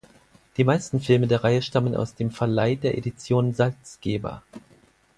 Die meisten Filme der Reihe stammen aus dem Verleih der Edition Salzgeber.